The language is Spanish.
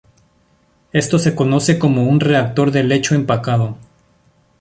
Esto se conoce como un reactor de lecho empacado.